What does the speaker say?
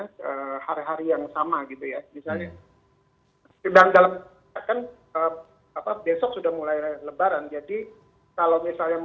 misalnya misalnya misalnya kan besok sudah mulai lebaran jadi kalau misalnya mau biasanya kalau ada mudik untuk mencegah terjadinya lonjakan harus balik